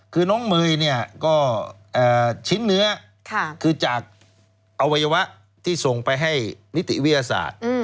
คือน้องเมย์เนี่ยก็ชิ้นเนื้อคือจากอวัยวะที่ส่งไปให้นิติวิทยาศาสตร์